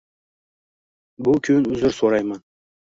Bukun uzr so’rayman.